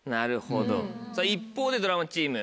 一方でドラマチーム。